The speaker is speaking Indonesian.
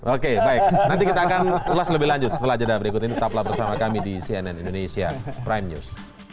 oke baik nanti kita akan ulas lebih lanjut setelah jadwal berikut ini tetaplah bersama kami di cnn indonesia prime news